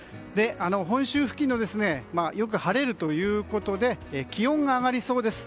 本州付近よく晴れるということで気温が上がりそうです。